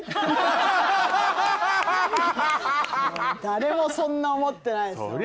誰もそんな思ってないですよ。